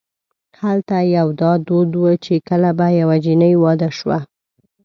هلته یو دا دود و چې کله به یوه جنۍ واده شوه.